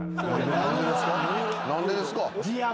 何でですか？